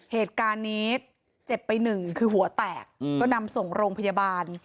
เหตุการณ์นี้เจ็บไปหนึ่งคือหัวแตกก็นำส่งโรงพยาบาล